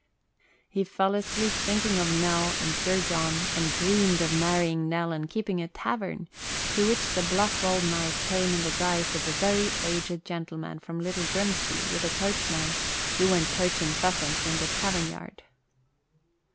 He fell asleep thinking of Nell and Sir John and dreamed of marrying Nell and keeping a tavern, to which the bluff old knight came in the guise of a very aged gentleman from Little Grimsby with a coachman who went poaching pheasants in the tavern yard.